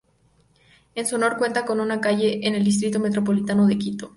En su honor, cuenta con una calle en el Distrito Metropolitano de Quito.